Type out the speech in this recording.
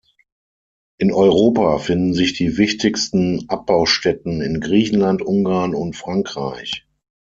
In Europa finden sich die wichtigsten Abbaustätten in Griechenland, Ungarn und Frankreich.